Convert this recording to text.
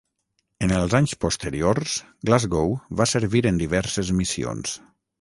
En els anys posteriors, "Glasgow" va servir en diverses missions.